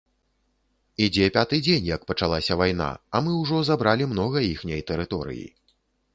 Ідзе пяты дзень, як пачалася вайна, а мы ўжо забралі многа іхняй тэрыторыі.